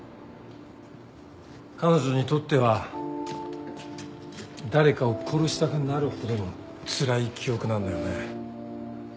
彼女にとっては誰かを殺したくなるほどのつらい記憶なんだよね。